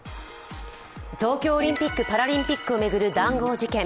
東京オリンピック・パラリンピックを巡る談合事件。